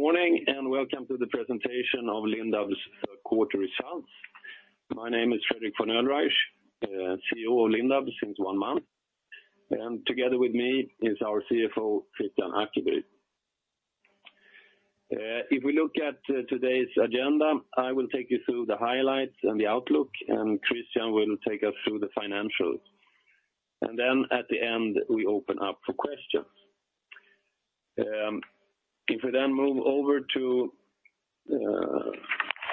Good morning, and welcome to the presentation of Lindab's quarter results. My name is Fredrik von Oelreich, CEO of Lindab since one month, and together with me is our CFO, Kristian Ackeby. If we look at today's agenda, I will take you through the highlights and the outlook, and Kristian will take us through the financials. At the end, we open up for questions. If we move over to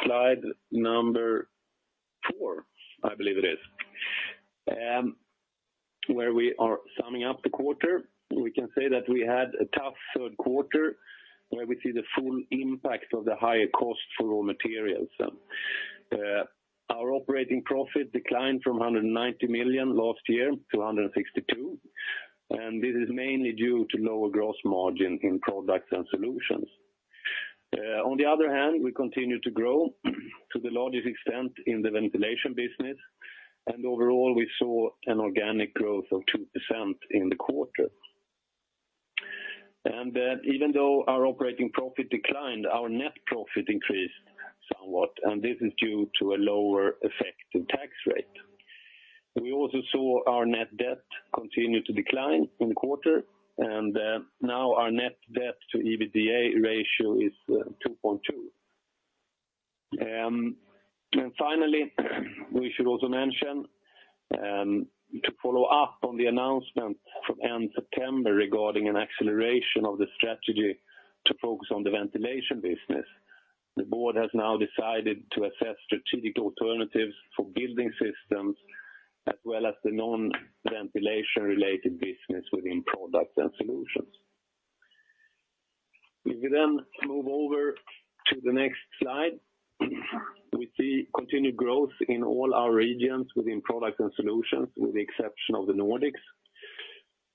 slide number four, I believe it is, where we are summing up the quarter, we can say that we had a tough third quarter, where we see the full impact of the higher cost for raw materials. Our operating profit declined from 190 million last year to 162 million, and this is mainly due to lower gross margin in Products & Solutions. On the other hand, we continue to grow to the largest extent in the ventilation business. Overall, we saw an organic growth of 2% in the quarter. Even though our operating profit declined, our net profit increased somewhat. This is due to a lower effective tax rate. We also saw our net debt continue to decline in the quarter. Now our net debt to EBITDA ratio is 2.2. Finally, we should also mention, to follow up on the announcement from end September regarding an acceleration of the strategy to focus on the ventilation business, the board has now decided to assess strategic alternatives for Building Systems, as well as the non-ventilation related business within Products & Solutions. If we move over to the next slide, we see continued growth in all our regions within Products & Solutions, with the exception of the Nordics.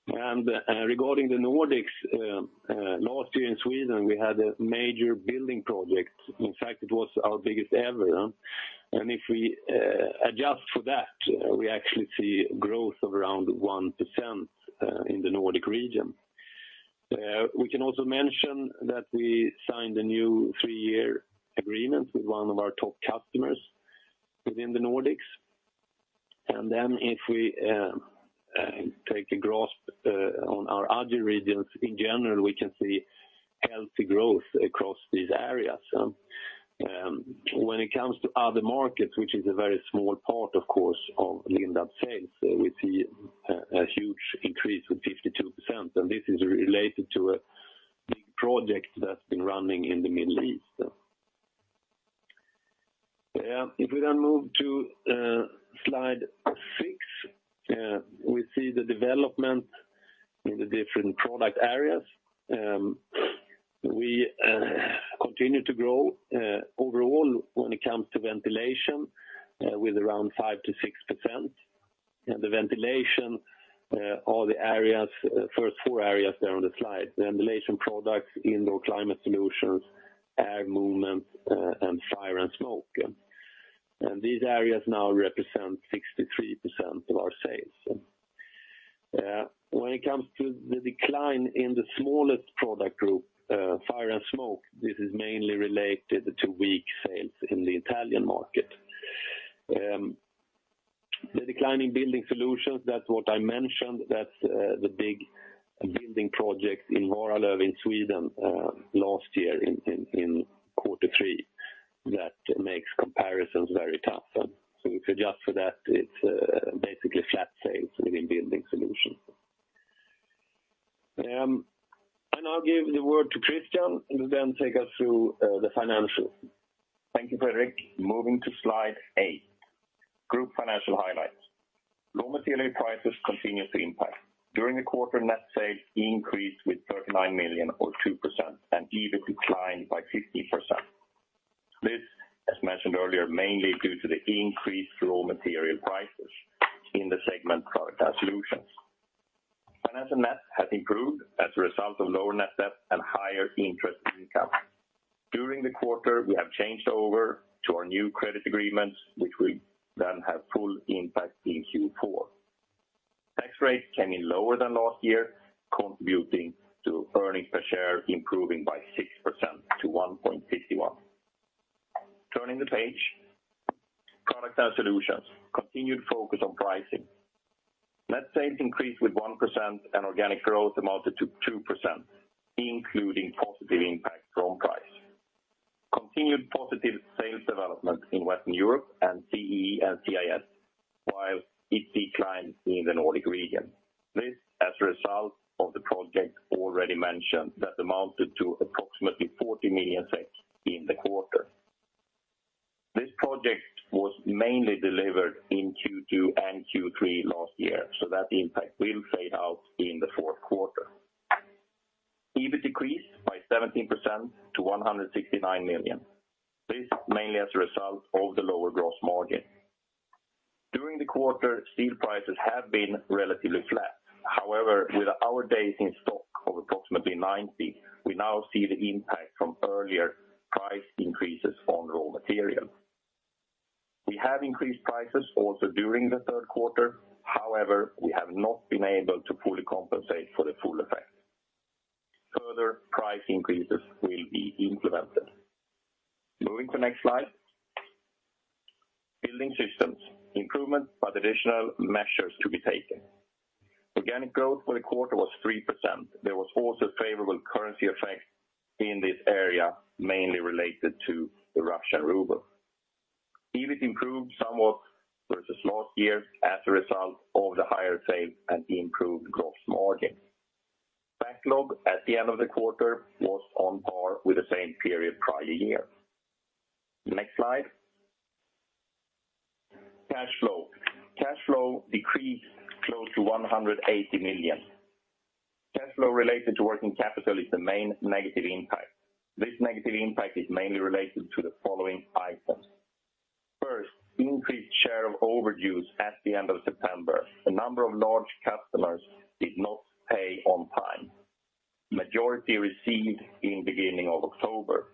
Regarding the Nordics, last year in Sweden, we had a major building project. In fact, it was our biggest ever, if we adjust for that, we actually see growth of around 1% in the Nordic region. We can also mention that we signed a new three-year agreement with one of our top customers within the Nordics. If we take a grasp on our other regions, in general, we can see healthy growth across these areas. When it comes to other markets, which is a very small part, of course, of Lindab sales, we see a huge increase with 52%, and this is related to a big project that's been running in the Middle East. If we move to slide six, we see the development in the different product areas. We continue to grow overall when it comes to ventilation, with around 5%-6%. The ventilation are the areas, first four areas there on the slide, Ventilation products, Indoor Climate Solutions, Air Movement, and Fire and Smoke. These areas now represent 63% of our sales. When it comes to the decline in the smallest product group, Fire and Smoke, this is mainly related to weak sales in the Italian market. The decline in Building Solutions, that's what I mentioned, that's the big building project in Varalöv in Sweden, last year in quarter three, that makes comparisons very tough. If you adjust for that, it's basically flat sales within Building Solutions. And I'll give the word to Kristian, who will then take us through the financials. Thank you, Fredrik. Moving to slide 8, group financial highlights. Raw material prices continue to impact. During the quarter, net sales increased with 39 million or 2%. EBIT declined by 50%. This, as mentioned earlier, mainly due to the increased raw material prices in the segment Products & Solutions. Finance net has improved as a result of lower net debt and higher interest income. During the quarter, we have changed over to our new credit agreements, which will then have full impact in Q4. Tax rate came in lower than last year, contributing to earnings per share improving by 6% to 1.51. Turning the page, Products & Solutions, continued focus on pricing. Net sales increased with 1%. Organic growth amounted to 2%, including positive impact from price. Continued positive sales development in Western Europe and CEE and CIS, while it declined in the Nordic region. This, as a result of the project already mentioned, that amounted to approximately 40 million in the quarter. This project was mainly delivered in Q2 and Q3 last year, so that impact will fade out in the fourth quarter. EBIT decreased by 17% to 169 million. This, mainly as a result of the lower gross margin. During the quarter, steel prices have been relatively flat. However, with our days in stock of approximately 90, we now see the impact from earlier price increases on raw material. We have increased prices also during the third quarter, however, we have not been able to fully compensate for the full effect. Further price increases will be implemented. Moving to next slide, Building Systems, improvement, but additional measures to be taken. Organic growth for the quarter was 3%. There was also favorable currency effect in this area, mainly related to the Russian ruble. EBIT improved somewhat versus last year as a result of the higher sales and the improved gross margin. Backlog at the end of the quarter was on par with the same period prior year. Next slide. Cash flow. Cash flow decreased close to 180 million. Cash flow related to working capital is the main negative impact. This negative impact is mainly related to the following items. First, increased share of overdues at the end of September. A number of large customers did not pay on time. Majority received in beginning of October,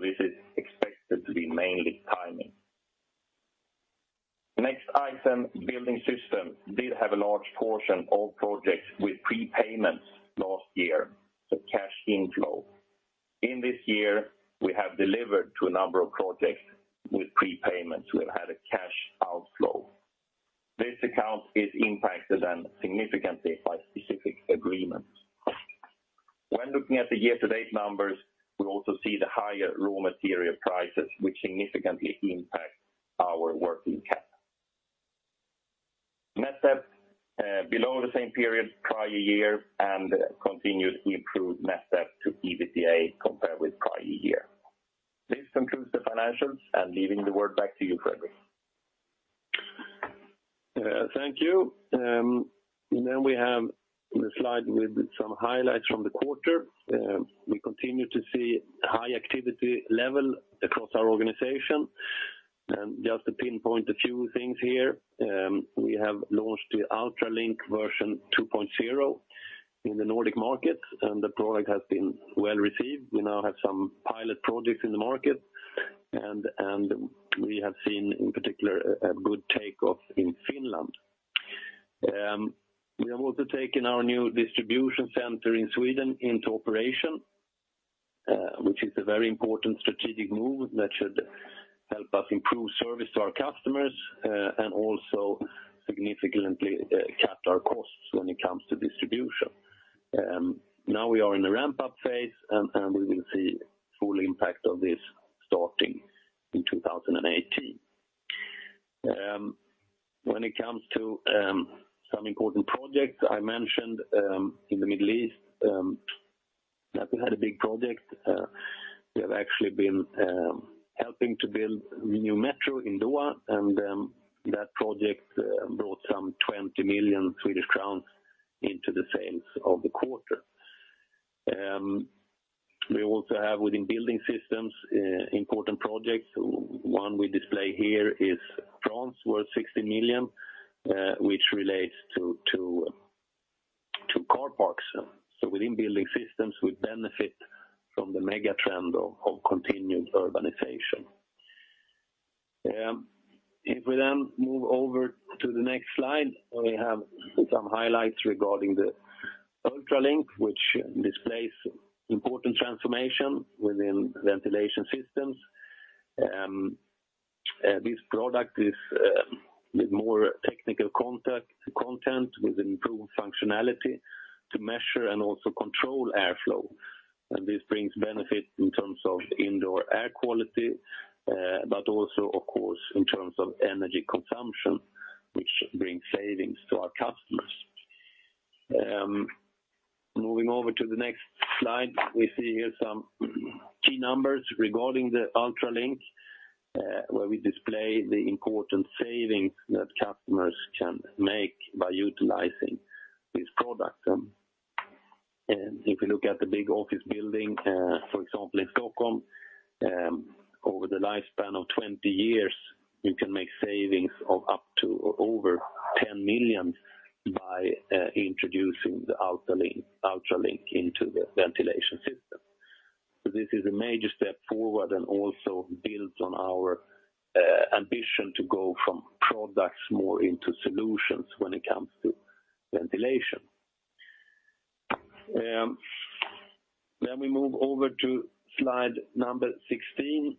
this is expected to be mainly timing. The next item, Building Systems, did have a large portion of projects with prepayments last year, so cash inflow. In this year, we have delivered to a number of projects with prepayments, we've had a cash outflow. This account is impacted and significantly by specific agreements. When looking at the year-to-date numbers, we also see the higher raw material prices, which significantly impact our working cap. Net debt below the same period prior year, and continued improved Net debt to EBITDA compared with prior year. This concludes the financials, and leaving the word back to you, Fredrik. Thank you. We have the slide with some highlights from the quarter. We continue to see high activity level across our organization, and just to pinpoint a few things here, we have launched the UltraLink version 2.0 in the Nordic markets, and the product has been well received. We now have some pilot projects in the market, and we have seen, in particular, a good takeoff in Finland. We have also taken our new distribution center in Sweden into operation, which is a very important strategic move that should help us improve service to our customers, and also significantly cut our costs when it comes to distribution. Now we are in the ramp-up phase and we will see full impact of this starting in 2018. When it comes to some important projects, I mentioned in the Middle East that we had a big project. We have actually been helping to build the new metro in Doha, and that project brought some 20 million Swedish crowns into the sales of the quarter. We also have within Building Systems important projects. One we display here is France, worth 60 million, which relates to car parks. Within Building Systems, we benefit from the mega trend of continued urbanization. If we then move over to the next slide, we have some highlights regarding the UltraLink which displays important transformation within ventilation systems. This product is with more technical content, with improved functionality to measure and also control airflow. This brings benefit in terms of indoor air quality, but also of course, in terms of energy consumption, which should bring savings to our customers. Moving over to the next slide, we see here some key numbers regarding the UltraLink, where we display the important savings that customers can make by utilizing this product. If you look at the big office building, for example, in Stockholm, over the lifespan of 20 years, you can make savings of up to over 10 million by introducing the UltraLink into the ventilation system. This is a major step forward and also builds on our ambition to go from products more into solutions when it comes to ventilation. We move over to slide 16,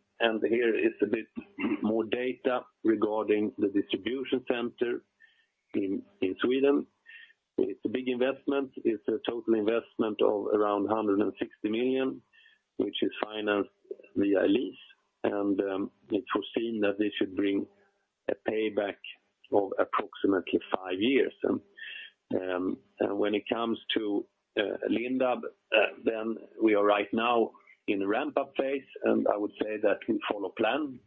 here is a bit more data regarding the distribution center in Sweden. It's a big investment. It's a total investment of around 160 million, which is financed via lease, and it's foreseen that this should bring a payback of approximately 5 years. When it comes to Lindab, then we are right now in the ramp-up phase, and I would say that we follow plan,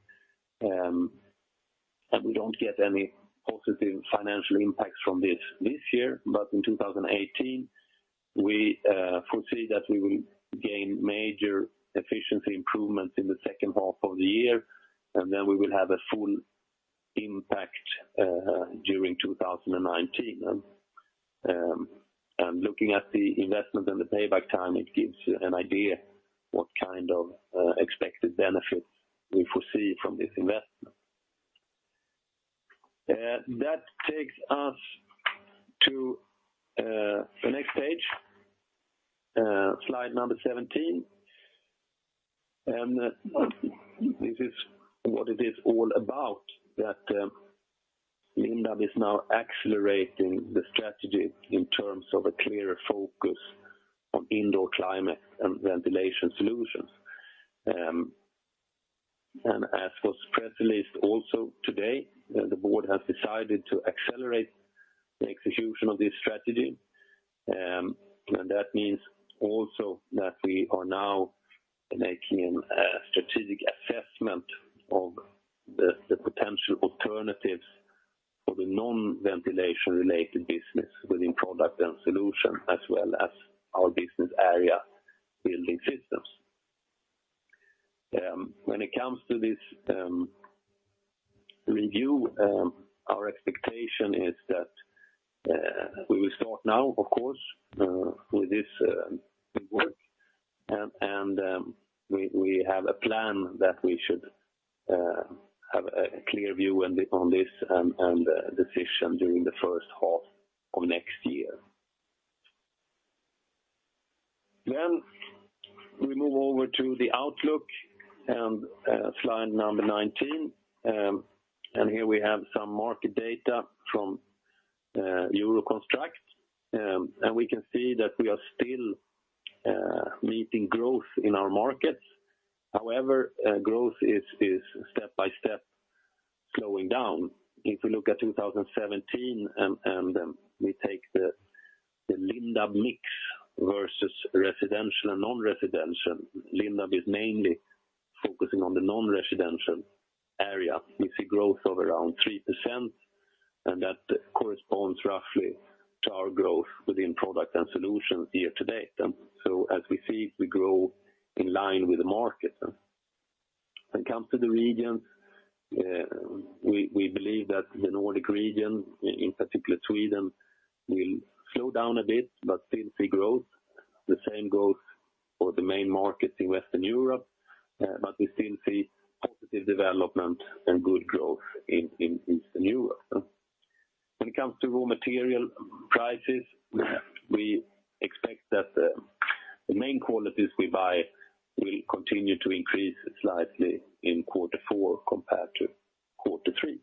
and we don't get any positive financial impacts from this this year, but in 2018, we foresee that we will gain major efficiency improvements in the second half of the year, and then we will have a full impact during 2019. Looking at the investment and the payback time, it gives you an idea what kind of expected benefits we foresee from this investment. That takes us to the next page, slide number 17. This is what it is all about, that Lindab is now accelerating the strategy in terms of a clearer focus on indoor climate and ventilation solutions. As was press released also today, the board has decided to accelerate the execution of this strategy. That means also that we are now making a strategic assessment of the potential alternatives for the non-ventilation related business within Products & Solutions, as well as our business area Building Systems. When it comes to this review, our expectation is that we will start now, of course, with this work, and we have a plan that we should have a clear view on this and decision during the first half of next year. We move over to the outlook, and slide number 19. Here we have some market data from EUROCONSTRUCT, and we can see that we are still meeting growth in our markets. However, growth is step by step slowing down. If you look at 2017, and we take the Lindab mix versus residential and non-residential, Lindab is mainly focusing on the non-residential area. We see growth of around 3%, and that corresponds roughly to our growth within product and solution year to date. As we see, we grow in line with the market. When it comes to the regions, we believe that the Nordic region, in particular Sweden, will slow down a bit, but still see growth. The same goes for the main markets in Western Europe. We still see positive development and good growth in Eastern Europe. When it comes to raw material prices, we expect that the main qualities we buy will continue to increase slightly in quarter four compared to quarter three.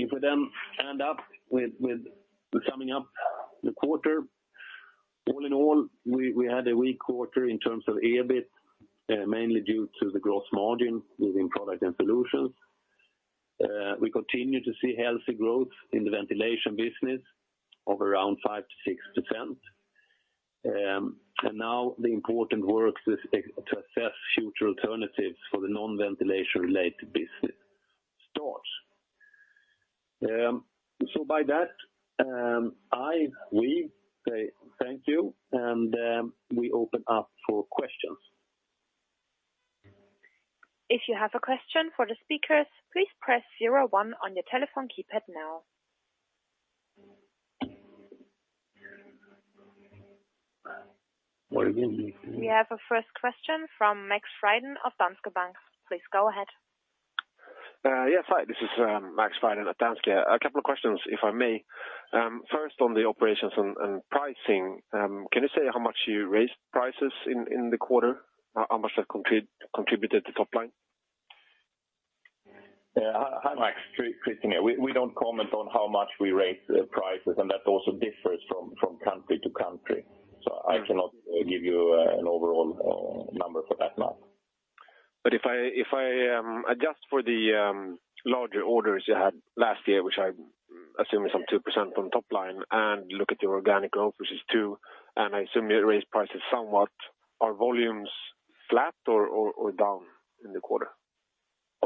If we then end up with summing up the quarter, all in all, we had a weak quarter in terms of EBIT, mainly due to the gross margin within Products & Solutions. We continue to see healthy growth in the ventilation business of around 5% to 6%. Now the important work is to assess future alternatives for the non-ventilation related business starts. By that, we say thank you, we open up for questions. If you have a question for the speakers, please press zero-one on your telephone keypad now. We have a first question from Max Frydén of Danske Bank. Please go ahead. Yes, hi, this is Max Frydén at Danske. A couple of questions, if I may. First on the operations and pricing, can you say how much you raised prices in the quarter? How much that contributed to top line? Yeah. Hi, Max, Kristian here. We don't comment on how much we raise prices, and that also differs from country to country. I cannot give you an overall number for that now. If I adjust for the, larger orders you had last year, which I assume is some 2% from top line, and look at the organic growth, which is 2%, and I assume you raised prices somewhat, are volumes flat or down in the quarter?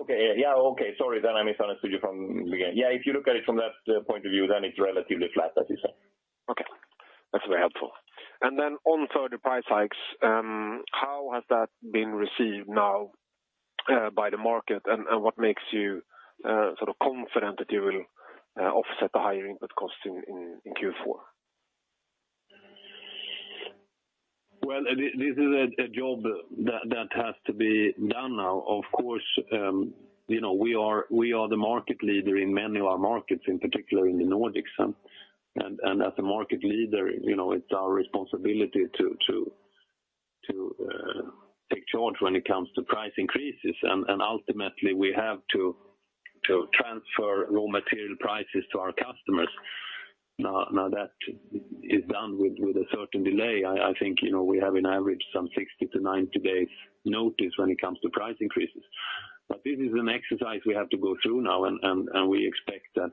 Okay. Yeah, okay. Sorry, I misunderstood you from the beginning. If you look at it from that point of view, it's relatively flat, as you say. Okay. That's very helpful. Then on third, the price hikes, how has that been received now, by the market? What makes you, sort of confident that you will, offset the higher input costs in Q4? Well, this is a job that has to be done now. Of course, you know, we are the market leader in many of our markets, in particular in the Nordics. As a market leader, you know, it's our responsibility to take charge when it comes to price increases, and ultimately we have to transfer raw material prices to our customers. That is done with a certain delay. I think, you know, we have an average some 60 to 90 days notice when it comes to price increases. This is an exercise we have to go through now, and we expect that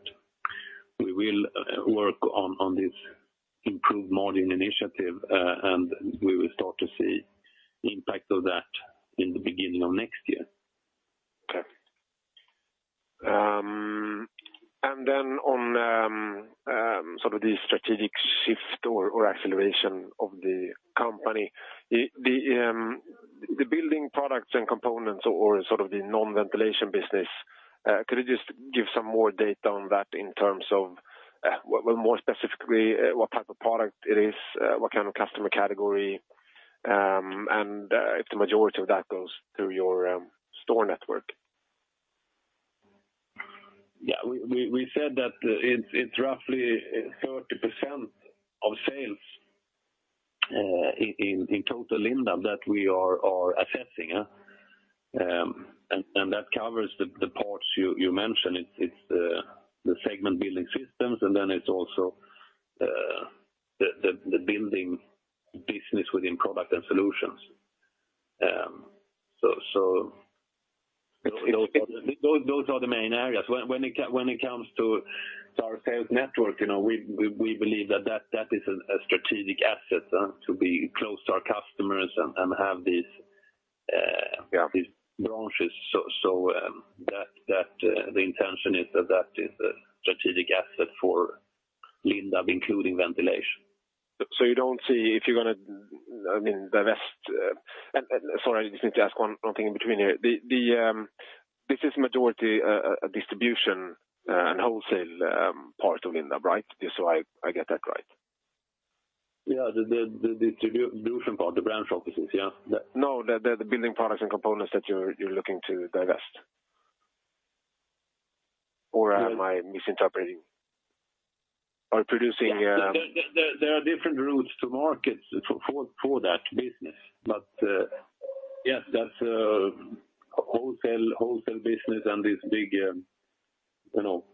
we will work on this improved margin initiative, and we will start to see the impact of that in the beginning of next year. Okay. And then on sort of the strategic shift or acceleration of the company, the building products and components or sort of the non-ventilation business, could you just give some more data on that in terms of, well more specifically, what type of product it is, what kind of customer category, and, if the majority of that goes through your store network? Yeah, we said that it's roughly 30% of sales in total Lindab that we are assessing, yeah. That covers the parts you mentioned. It's the segment Building Systems, and then it's also the building business within Products & Solutions. Those are the main areas. When it comes to our sales network, you know, we believe that that is a strategic asset to be close to our customers and have these, yeah, these branches. That the intention is that that is a strategic asset for Lindab, including ventilation. You don't see if you're gonna, I mean, divest - sorry, I just need to ask one thing in between here. This is majority a distribution and wholesale part of Lindab, right? Just so I get that right. Yeah, the distribution part, the branch offices, yeah. The building products and components that you're looking to divest. Am I misinterpreting? Producing? There are different routes to market for that business. Yes, that's wholesale business and this big, you know?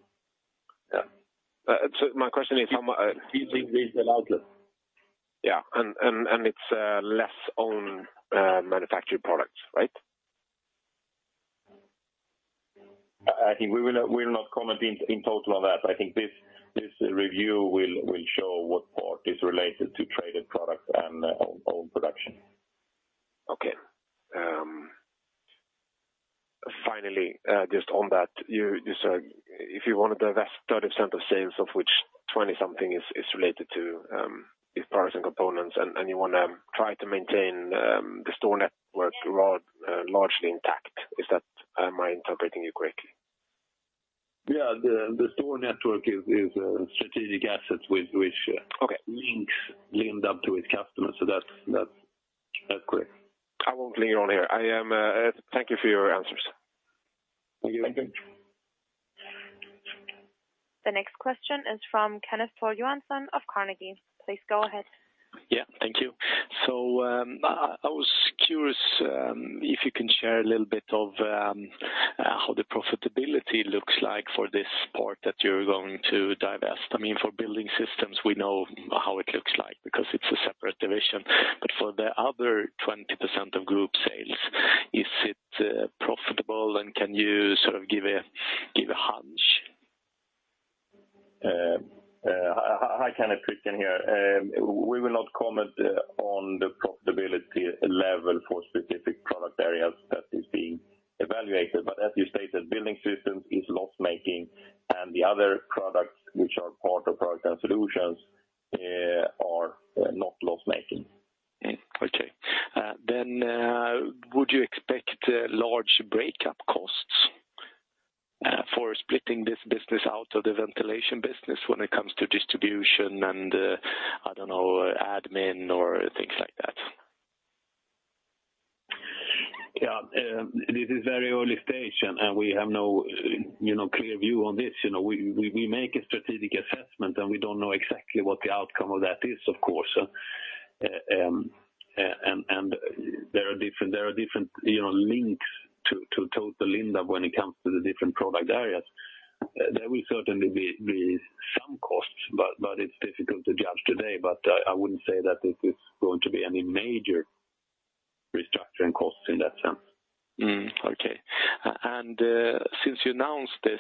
Yeah. My question is how much - Retail outlet. Yeah. It's less own manufactured products, right? I think we will not comment in total on that. I think this review will show what part is related to traded product and own production. Okay. Finally, just on that, you said if you want to divest 30% of sales, of which 20 something is related to these parts and components, and you wanna try to maintain the store network wide, largely intact. Is that, am I interpreting you correctly? Yeah. The store network is a strategic asset which links Lindab to its customers. That's correct. I won't linger on here. I am - thank you for your answers. Thank you. The next question is from Kenneth Johansson of Carnegie. Please go ahead. Yeah, thank you. I was curious if you can share a little bit of how the profitability looks like for this part that you're going to divest. I mean, for Building Systems, we know how it looks like because it's a separate division. For the other 20% of group sales, is it, profitable, and can you sort of give a hunch? Hi, Kenneth. Kristian here. We will not comment on the profitability level for specific product areas that is being evaluated. As you stated, Building Systems is loss-making, and the other products which are part of Products & Solutions, are not loss-making. Okay. Would you expect large breakup costs for splitting this business out of the ventilation business when it comes to distribution and, I don't know, admin or things like that? Yeah, this is very early stage, and we have no, you know, clear view on this. You know, we make a strategic assessment, and we don't know exactly what the outcome of that is, of course. There are different, you know, links to total Lindab when it comes to the different product areas. There will certainly be some costs, but it's difficult to judge today. I wouldn't say that it is going to be any major restructuring costs in that sense. Okay. Since you announced this,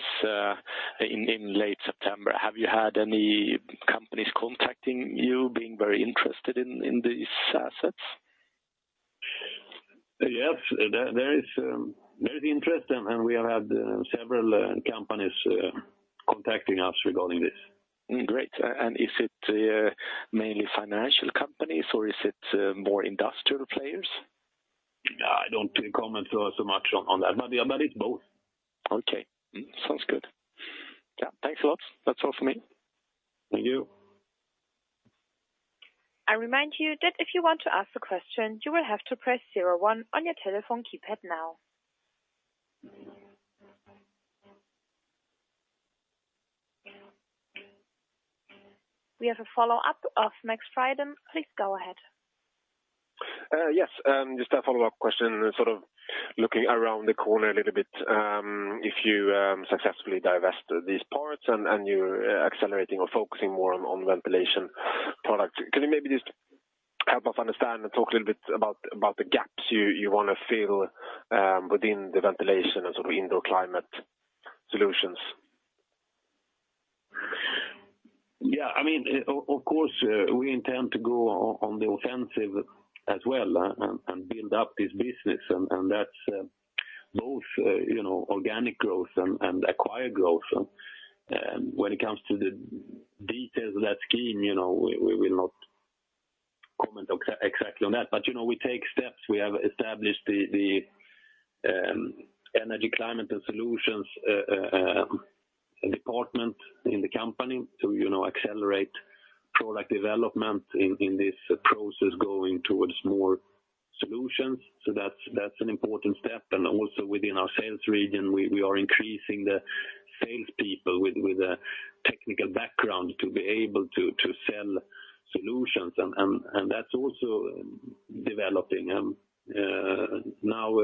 in late September, have you had any companies contacting you, being very interested in these assets? Yes. There is interest, and we have had several companies contacting us regarding this. Great. Is it mainly financial companies or is it more industrial players? I don't comment so much on that, but yeah, it's both. Okay. Sounds good. Thanks a lot. That's all for me. Thank you. I remind you that if you want to ask a question, you will have to press zero-one on your telephone keypad now. We have a follow-up of Max Frydén. Please go ahead. Yes, just a follow-up question, sort of looking around the corner a little bit. If you successfully divest these parts and you're accelerating or focusing more on ventilation products, can you maybe just help us understand and talk a little bit about the gaps you wanna fill within the ventilation and sort of Indoor Climate Solutions? Yeah, I mean, of course, we intend to go on the offensive as well, and build up this business, and that's both, you know, organic growth and acquired growth. When it comes to the details of that scheme, you know, we will not comment exactly on that. But, you know, we take steps. We have established the, Energy Climate Solutions department in the company to, you know, accelerate product development in this process going towards more solutions. So that's an important step. And also within our sales region, we are increasing the sales people with a technical background to be able to sell solutions, and, and that's also developing. Now,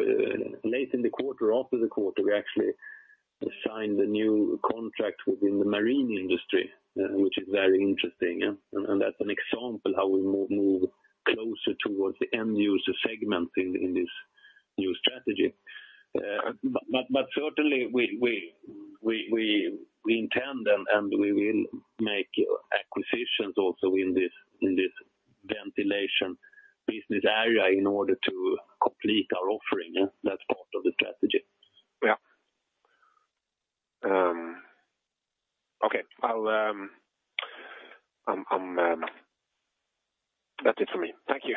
late in the quarter, after the quarter, we actually signed a new contract within the marine industry, which is very interesting, yeah? That's an example how we move closer towards the end user segment in this new strategy. Certainly we intend and we will make acquisitions also in this ventilation business area in order to complete our offering, yeah? That's part of the strategy. Yeah. Okay. That's it for me. Thank you.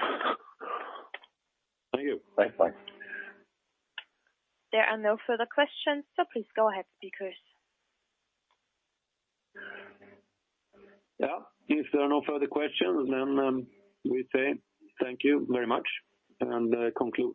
Thank you. Bye-bye. There are no further questions, so please go ahead, speakers. If there are no further questions, we say thank you very much and conclude the call.